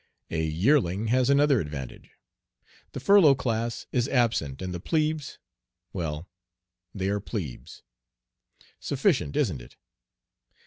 A yearling has another advantage. The furlough class is absent, and the plebes well, they are "plebes." Sufficient, isn't it?